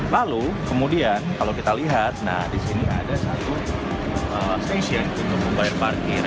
lalu kemudian kalau kita lihat nah di sini ada satu stasiun untuk membayar parkir